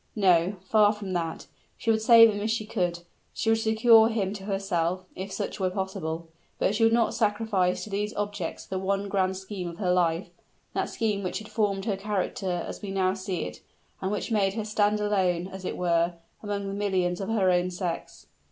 No far from that! She would save him if she could; she would secure him to herself, if such were possible; but she would not sacrifice to these objects the one grand scheme of her life, that scheme which had formed her character as we now find it, and which made her stand alone, as it were, among the millions of her own sex!